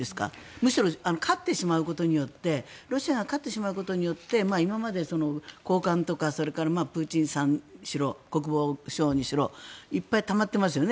むしろロシアが勝ってしまうことによって今まで高官とかそれからプーチンさんにしろ国防省にしろいっぱいたまってますよね。